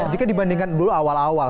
jika dibandingkan dulu awal awal